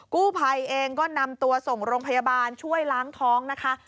กู้ภัยเองก็นำตัวส่งโรงพยาบาลช่วยล้างท้องนะคะ